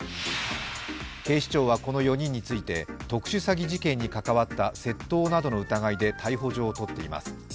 警視庁はこの４人について、特殊詐欺事件に関わった窃盗などの疑いで逮捕状を取っています。